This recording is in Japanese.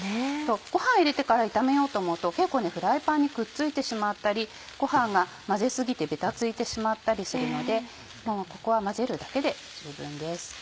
ご飯入れてから炒めようと思うと結構フライパンにくっついてしまったりご飯が混ぜ過ぎてベタついてしまったりするのでここは混ぜるだけで十分です。